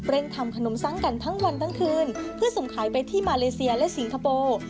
ทำขนมซังกันทั้งวันทั้งคืนเพื่อสุ่มขายไปที่มาเลเซียและสิงคโปร์